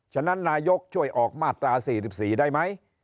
ฉะนั้นนายกช่วยออกมาตรา๔๔ได้ไหม